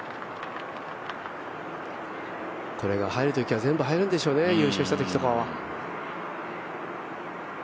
これが入るときは、全部入るんでしょうね、優勝したときとかは。